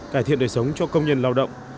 cải thiện đời sống cho công nhân lao động